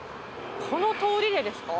この通りでですか？